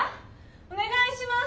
おねがいします！